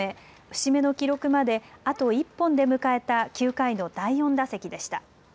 節目の記録まであと１本で迎えた９回の第４打席でした。